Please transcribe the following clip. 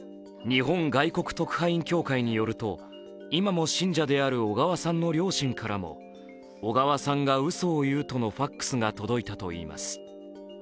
日本外国特派員協会によると今も信者である小川さんの両親からも小川さんがうそを言うとのファックスが届いたといいます。